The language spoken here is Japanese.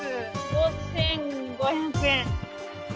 ５，５００円。